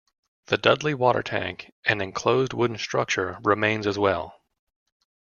The Dudley water tank, an enclosed wooden structure, remains as well.